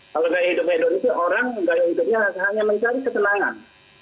kalau gaya hidup hedo itu orang gaya hidupnya hanya mencari ketenangan